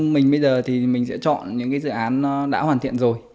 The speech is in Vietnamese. mình bây giờ thì mình sẽ chọn những cái dự án đã hoàn thiện rồi